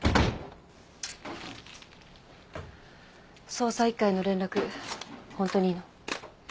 捜査１課への連絡ホントにいいの？